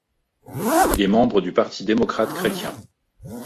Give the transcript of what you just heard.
Il est membre du Parti démocrate-chrétien.